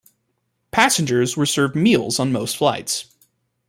Passengers were served meals on most flights.